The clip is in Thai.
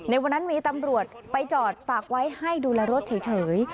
ในวันนั้นมีตำรวจไปจอดฝากไว้ให้ดูแลรถเฉย